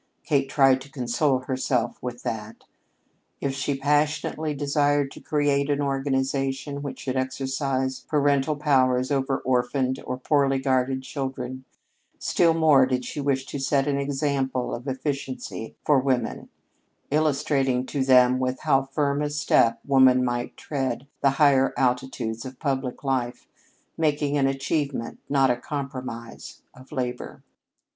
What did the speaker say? Kate tried to console herself with that. If she passionately desired to create an organization which should exercise parental powers over orphaned or poorly guarded children, still more did she wish to set an example of efficiency for women, illustrating to them with how firm a step woman might tread the higher altitudes of public life, making an achievement, not a compromise, of labor.